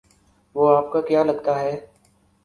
وہ آپ کا کیا لگتا ہے؟